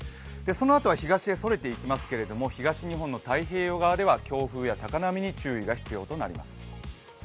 そのあとは東へそれていきますけど、東日本の太平洋側は強風や高波に注意が必要となります。